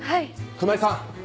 熊井さん。